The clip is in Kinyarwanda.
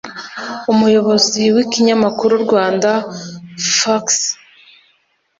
umuyobozi w’ikinyamakuru Rwanda Focus